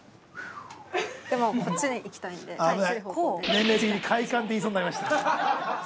年齢的に「カ・イ・カ・ン」って言いそうになりました。